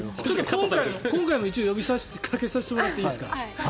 今回も一応呼びかけさせてもらっていいですか？